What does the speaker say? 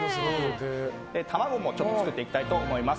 卵も作っていきたいと思います。